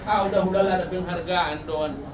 au dahudala ada penghargaan doon